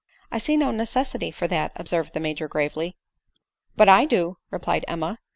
" I see no necessity for that," observed the Major gravely. ," But I do," replied Emma.